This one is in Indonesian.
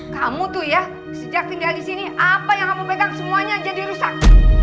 kamu tuh ya sejak tinggal di sini apa yang kamu pegang semuanya jadi rusak